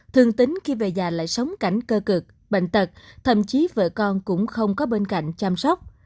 thường tính khi về già lại sống cảnh cơ cực bệnh tật thậm chí vợ con cũng không có bên cạnh chăm sóc